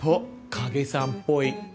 影さんぽい。